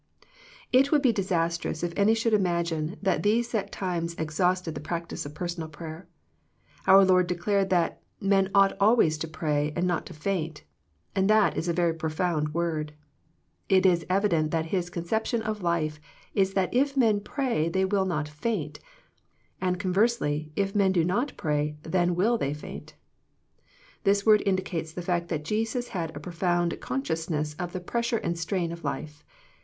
It would be disastrous if any should imagine that these set times exhausted the practice of personal prayer. Our Lord declared that " Men ought always to pray, and not to faint," and that is a very profound word. It is evident that His conception of life is that if men pray they will not faint, and conversely, if men do not pray then will they faint. This word indicates the fact that Jesus had a profound consciousness of the pressure and strain of life.